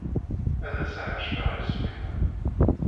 Ad as-ɛejbeɣ i Zwina.